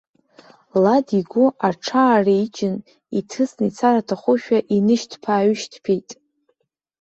Лад игәы аҽаареиџьын, иҭыҵны ицар аҭахушәа инышьҭԥаҩышьҭԥеит.